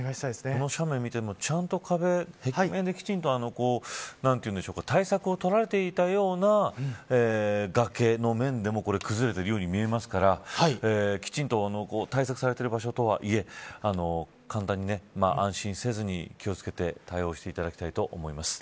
この斜面を見てもちゃんと壁面できちんと対策を取られていたような崖の面でも崩れるように見えますからきちんと対策されている場所とはいえ簡単に、安心せずに気を付けて対応していただきたいと思います。